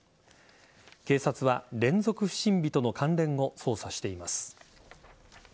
警察は、連続不審火との関連を捜査しています。